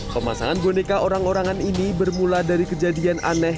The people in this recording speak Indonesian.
pemasangan boneka orang orangan ini bermula dari kejadian aneh